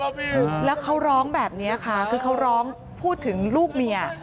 ผมหัวมาเข้าไปเลยเพราะพี่